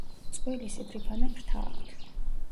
წყვილი სიფრიფანა ფრთა აქვთ.